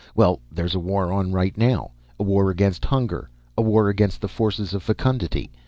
Well, there's a war on right now; a war against hunger, a war against the forces of fecundity.